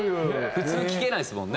普通聞けないですもんね。